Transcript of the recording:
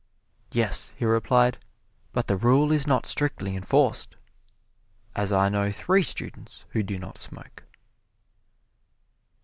"Yes," he replied; "but the rule is not strictly enforced, as I know three students who do not smoke."